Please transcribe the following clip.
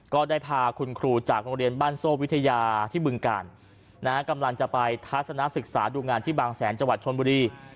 ก็ได้พาคุณครูจากโรงเรียนบ้านโซ่วิทยาที่บึงกาลกำลังจะไปทัศนะศึกษาดูงานที่บางแสนจังหวัดชนบุรี